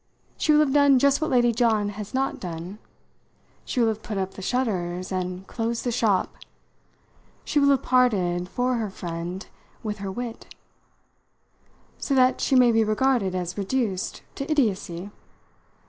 She will have done just what Lady John has not done she will have put up the shutters and closed the shop. She will have parted, for her friend, with her wit." "So that she may be regarded as reduced to idiocy?"